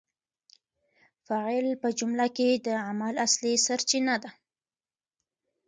فاعل په جمله کي د عمل اصلي سرچینه ده.